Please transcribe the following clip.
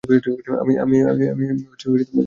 আমি তার নিকট থাকলাম।